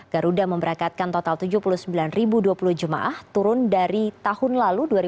garuda memberangkatkan total tujuh